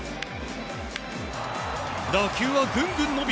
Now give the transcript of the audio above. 打球はぐんぐん伸び